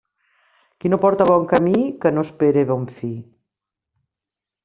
Qui no porta bon camí, que no espere bon fi.